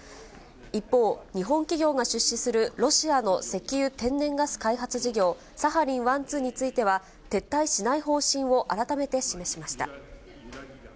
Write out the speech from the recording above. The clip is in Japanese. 一方、日本企業が出資するロシアの石油・天然ガス開発事業、サハリン１・２については、撤退しない方針を改めて示しました。